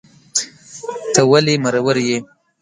ته ولي مرور یې